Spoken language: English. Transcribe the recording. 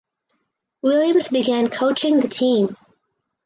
Williams began coaching the team.